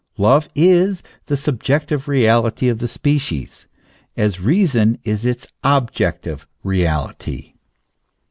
Love is the subjec tive reality of the species, as reason is its objective reality.